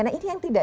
nah ini yang tidak